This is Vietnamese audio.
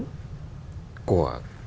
của các doanh nghiệp